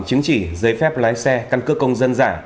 chứng chỉ giấy phép lái xe căn cước công dân giả